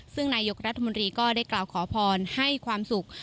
ซึ่งนายกรัฐมนตรีก็ได้กล่าวขอพรให้ความสุข